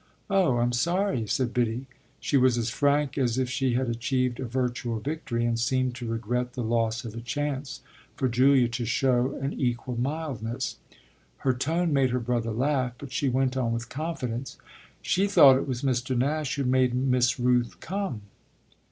"Oh I'm sorry!" said Biddy. She was as frank as if she had achieved a virtual victory, and seemed to regret the loss of a chance for Julia to show an equal mildness. Her tone made her brother laugh, but she went on with confidence: "She thought it was Mr. Nash who made Miss Rooth come."